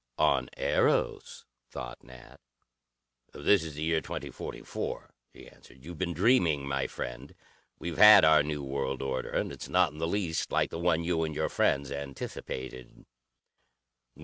"On Eros?" thought Nat. "This is the year 2044," he answered. "You've been dreaming, my friend. We've had our new world order, and it's not in the least like the one you and your friends anticipated."